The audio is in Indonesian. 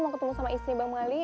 mau ketemu sama istri bang mali